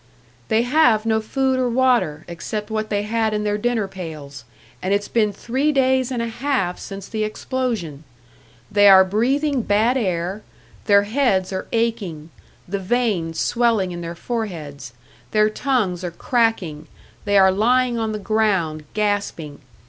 "They have no food or water, except what they had in their dinner pails; and it's been three days and a half since the explosion! They are breathing bad air; their heads are aching, the veins swelling in their foreheads; their tongues are cracking, they are lying on the ground, gasping.